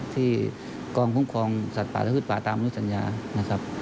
ที่กรมคุ้มครองสัตว์ป่าและฮึดป่าตามมนุษย์สัญญา